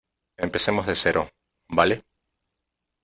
empecemos de cero ,¿ vale ?